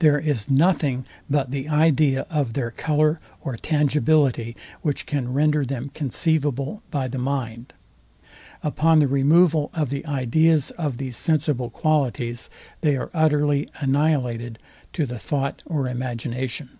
There is nothing but the idea of their colour or tangibility, which can render them conceivable by the mind. Upon the removal of the ideas of these sensible qualities, they are utterly annihilated to the thought or imagination.